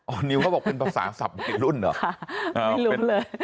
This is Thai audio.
ออร์นิวเขาบอกเป็นภาษาศัพท์อีกรุ่นเหรอไม่รู้เลย